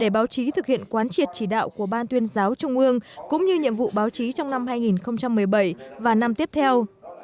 báo chí thực hiện quán triệt chỉ đạo của ban tuyên giáo trung ương cũng như nhiệm vụ báo chí trong năm hai nghìn một mươi bảy và năm tiếp theo